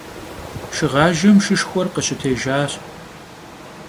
Şşığajjem şşışşxuer khışıtêjjaş.